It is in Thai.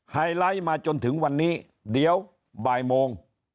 ไฮไลท์มาจนถึงวันนี้เดี๋ยวบ่ายโมง